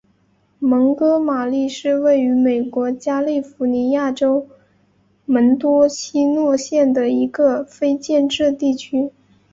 蒙哥马利是位于美国加利福尼亚州门多西诺县的一个非建制地区。